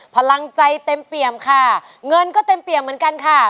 พลังใจเต็มเปี่ยมค่ะเงินก็เต็มเปี่ยมเหมือนกันค่ะ